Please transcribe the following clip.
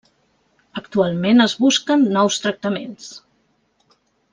Actualment es busquen nous tractaments.